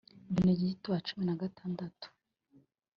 Benedigito wa xvi